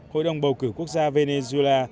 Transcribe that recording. hội đồng bầu cử quốc gia venezuela